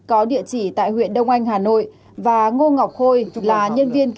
có địa chỉ tại huyện đông anh hà nội và ngô ngọc khôi là nhân viên